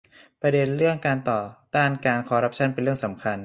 ประเด็นเรื่องการต่อต้านการคอร์รัปชั่นเป็นเรื่องสำคัญ